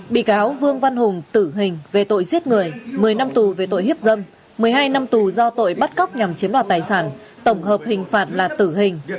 bị cáo vương văn hùng tử hình về tội giết người một mươi năm tù về tội hiếp dâm một mươi hai năm tù do tội bắt cóc nhằm chiếm đoạt tài sản tổng hợp hình phạt là tử hình